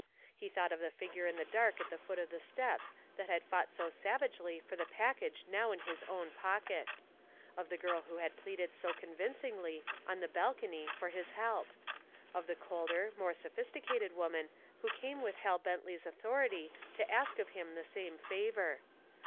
He thought of the figure in the dark at the foot of the steps that had fought so savagely for the package now in his own pocket of the girl who had pleaded so convincingly on the balcony for his help of the colder, more sophisticated woman who came with Hal Bentley's authority to ask of him the same favor.